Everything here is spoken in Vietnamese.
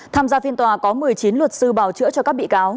tham gia phiên tòa có một mươi chín luật sư bảo chữa cho các bị cáo